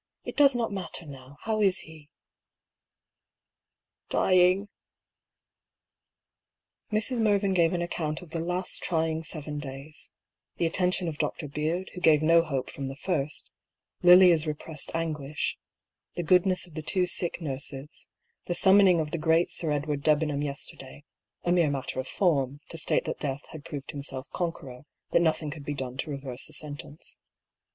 It does not matter now. How is he ?" A STARTLING PROPOSAL. 91 " Dying." Mrs. Mervyngave an account of the last trying seven days: the attention of Dr. Beard, who gave no hope from the first ; Lilia's repressed anguish ; the goodness of the two sick nurses ; the summoning of the great Sir Edward Debenham yesterday (a mere matter of form, to state that death had proved himself conqueror, that nothing could be done to reverse the sentence).